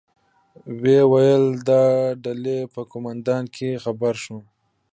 ویې ویل: د ډلې په قومندانۍ کې خبر شوم.